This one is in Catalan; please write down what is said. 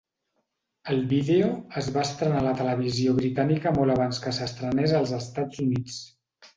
El vídeo es va estrenar a la televisió britànica molt abans que s'estrenés als Estats Units.